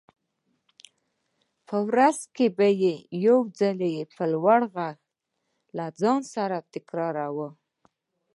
په ورځ کې يو ځل به يې په لوړ غږ له ځان سره تکراروم.